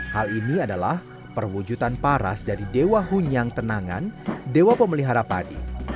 hal ini adalah perwujudan paras dari dewa hunyang tenangan dewa pemelihara padi